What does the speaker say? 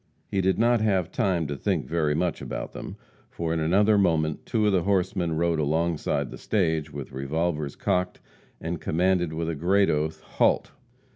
He did not have time to think very much about them, for in another moment two of the horsemen rode alongside the stage, with revolvers cocked, and commanded, with a great oath, "Halt!"